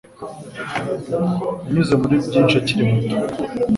Yanyuze muri byinshi akiri muto.